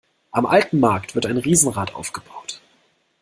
Am alten Markt wird ein Riesenrad aufgebaut.